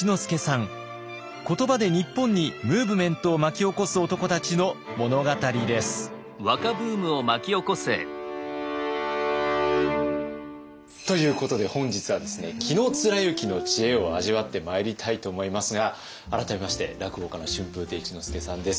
言葉で日本にムーブメントを巻き起こす男たちの物語です。ということで本日はですね紀貫之の知恵を味わってまいりたいと思いますが改めまして落語家の春風亭一之輔さんです。